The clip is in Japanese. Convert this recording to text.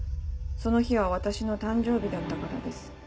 その日は私の誕生日だったからです。